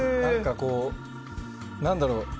何だろう